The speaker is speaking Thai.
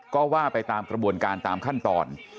ก็ว่าไปตามกระบวนการตามขั้นตอน